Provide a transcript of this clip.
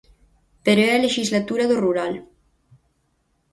Pero é a lexislatura do rural.